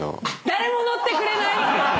誰も乗ってくれない！